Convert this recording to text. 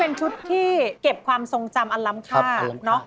เป็นชุดที่เก็บความทรงจำอันล้ำค่าเนอะ